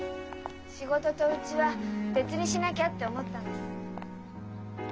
「仕事とうちは別にしなきゃ」って思ったんです。